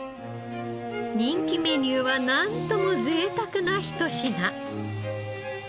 人気メニューはなんとも贅沢なひと品。